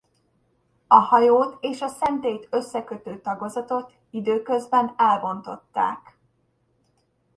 A hajót és a szentélyt összekötő tagozatot időközben elbontották.